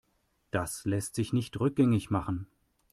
Das lässt sich nicht rückgängig machen.